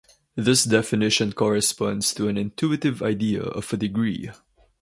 This definition corresponds to an intuitive idea of a degree.